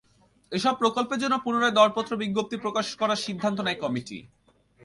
এসব প্রকল্পের জন্য পুনরায় দরপত্র বিজ্ঞপ্তি প্রকাশ করার সিদ্ধান্ত নেয় কমিটি।